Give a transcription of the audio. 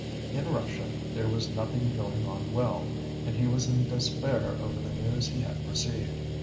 In Russia there was nothing going on well, and he was in despair over the news he had received.